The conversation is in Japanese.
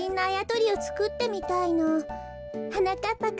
あやとりをつくってみたいの。はなかっ